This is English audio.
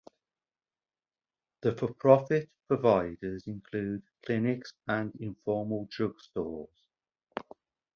The for-profit providers include clinics and informal drug stores.